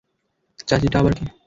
চাচিটা আবার কে?